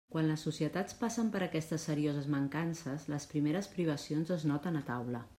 Quan les societats passen per aquestes serioses mancances, les primeres privacions es noten a taula.